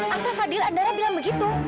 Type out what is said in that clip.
apa fadil andara bilang begitu